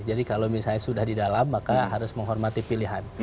jadi kalau misalnya sudah di dalam maka harus menghormati pilihan